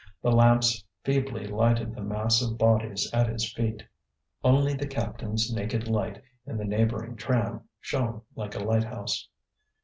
The lamps feebly lighted the mass of bodies at his feet. Only the captain's naked light, in the neighbouring tram, shone like a lighthouse.